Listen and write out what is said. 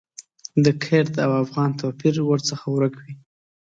د کرد او افغان توپیر ورڅخه ورک وي.